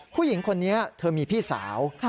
ผู้หญิงคนนี้เธอมีพี่สาว